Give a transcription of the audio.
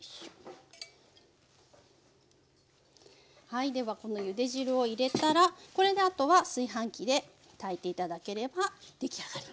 はいではこのゆで汁を入れたらこれであとは炊飯器で炊いて頂ければ出来上がり。